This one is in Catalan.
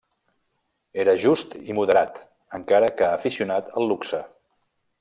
Era just i moderat encara que aficionat al luxe.